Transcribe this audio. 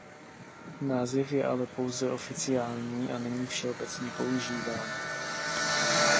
Název je ale pouze oficiální a není všeobecně používán.